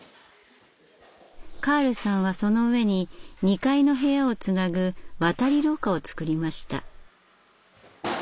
カールさんはその上に２階の部屋をつなぐ渡り廊下を造りました。